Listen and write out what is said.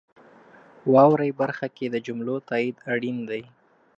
واورئ برخه کې د جملو تایید اړین دی.